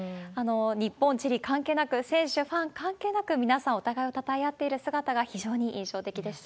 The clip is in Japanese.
日本、チリ関係なく、選手、ファン関係なく、皆さん、お互いをたたえ合っている姿が非常に印象的でした。